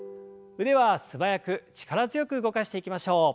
腕は素早く力強く動かしていきましょう。